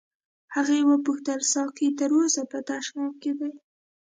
هغې وپوښتل ساقي تر اوسه په تشناب کې دی.